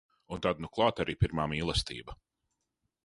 Un tad nu klāt arī pirmā mīlestība.